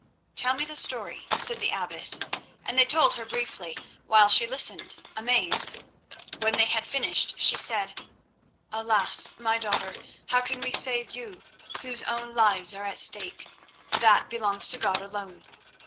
"Tell me the story," said the abbess; and they told her briefly, while she listened, amazed. When they had finished, she said: "Alas! my daughter, how can we save you, whose own lives are at stake? That belongs to God alone.